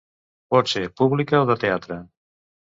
Pot ser pública o de teatre.